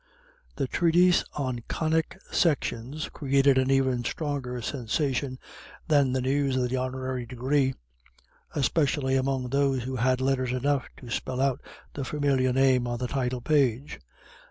The "Treatise on Conic Sections" created an even stronger sensation than the news of the honorary degree, especially among those who had letters enough to spell out the familiar name on the title page.